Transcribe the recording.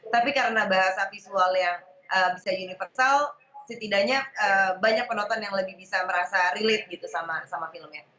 tapi karena bahasa visual yang bisa universal setidaknya banyak penonton yang lebih bisa merasa relate gitu sama filmnya